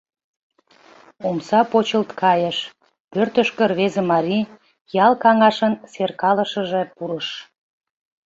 Омса почылт кайыш, пӧртышкӧ рвезе марий — ял каҥашын серкалышыже — пурыш.